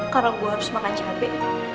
karena gue harus makan cabai